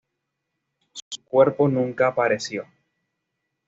Su cuerpo nunca apareció.